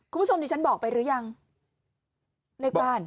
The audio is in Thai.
คุณผู้ชมดิฉันบอกไปหรือยังเลขบ้าน